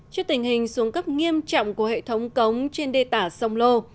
trước tình hình xuống cấp nghiêm trọng của hệ thống cống trên đê tả sông lô